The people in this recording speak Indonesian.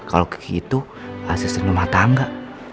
kalau kiki tuh asisten rumah tangga